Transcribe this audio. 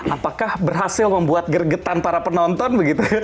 apakah berhasil membuat gergetan para penonton begitu